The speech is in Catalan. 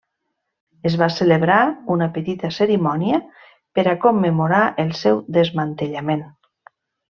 Es va celebrar una petita cerimònia per a commemorar el seu desmantellament.